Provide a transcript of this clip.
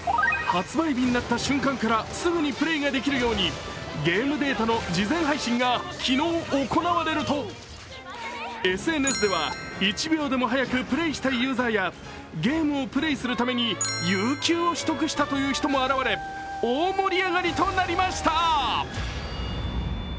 発売日になった瞬間からすぐにプレーができるようにゲームデータの事前配信が昨日行われると、ＳＮＳでは１秒でも早くプレーしたいユーザーやゲームをプレーするために有休を取得したという人も現れ大盛り上がりとなりました。